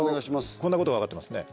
こんなことが分かってますね